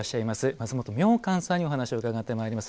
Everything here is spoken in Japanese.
松本明観さんにお話を伺ってまいります。